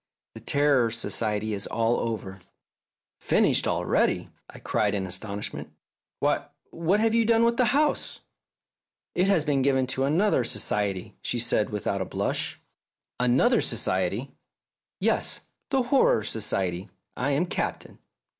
" The Terror Society is all over/' "Finished already!" I cried in astonish ment. " Why, what have you done with the house?" "It has been given to another society," she said without a blush. "Another society?" "Yes, the Horror Society. I am Captain."